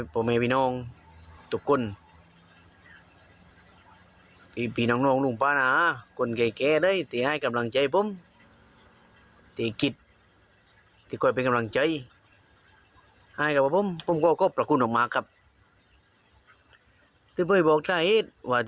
ผมก็โปรคุ้นออกมาครับที่โปรหน่อยบอกว่า